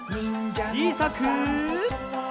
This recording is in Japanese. ちいさく。